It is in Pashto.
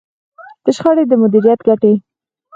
د شخړې د مديريت ګټې.